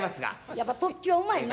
やっぱ特級はうまいな。